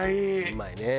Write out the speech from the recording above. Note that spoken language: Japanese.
うまいね。